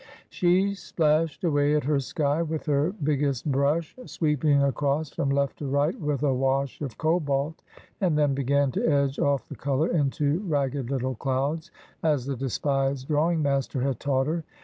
She splashed away at her sky with her biggest brush, sweep 8 Affpliodel. ing across from left to right with a wash of cobalt, and then began to edge oif the colour into ragged little clouds as the despised drawing master had taught her.